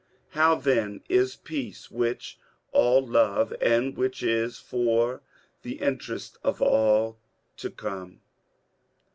... How, then, is Peace, which all love, and which is for the interest of all, to come